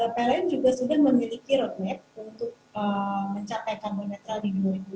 pln juga sudah memiliki roadmap untuk mencapai karbon netral di dua ribu dua puluh